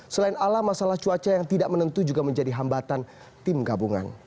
selain alam masalah cuaca yang tidak menentu juga menjadi hambatan tim gabungan